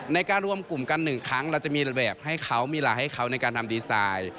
ในการรวมกลุ่มกัน๑ครั้งเราจะมีแบบให้เขามีเวลาให้เขาในการทำดีไซน์